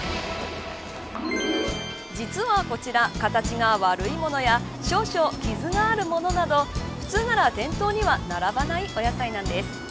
実はこちら、形が悪いものや少々傷があるものなど普通なら店頭には並ばないお野菜なんです。